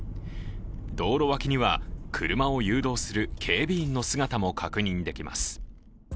道路脇には車を誘導する警備員の姿も確認できます。